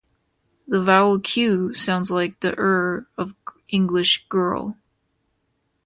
The vowel q sounds "like the "ir" of English 'girl'".